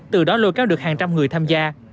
từ đó lôi kéo được hàng trăm người tham gia